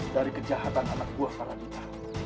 dari kejahatan anak buah para duta